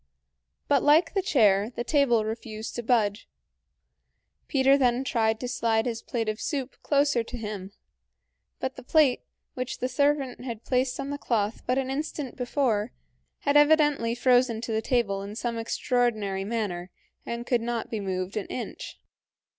But like the chair, the table refused to budge. Peter then tried to slide his plate of soup closer to him, but the plate, which the servant had placed on the cloth but an instant before, had evidently frozen to the table in some extraordinary manner and could not be moved an inch.